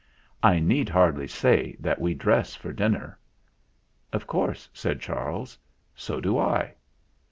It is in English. I need hardly say that we dress for dinner." "Of course," said Charles; "so do I."